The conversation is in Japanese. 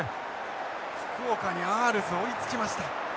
福岡にアールズ追いつきました。